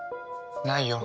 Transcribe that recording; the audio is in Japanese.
ないよ。